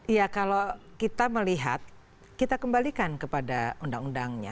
iya kalau kita melihat kita kembalikan kepada undang undangnya